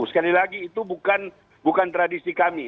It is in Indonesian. sekali lagi itu bukan tradisi kami